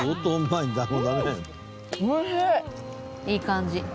いい感じ。